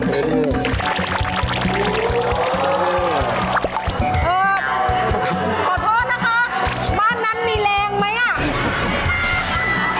บ้านนั้นมีแรงไหม